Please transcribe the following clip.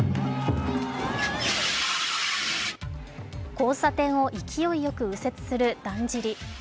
交差点を勢いよく右折するだんじり。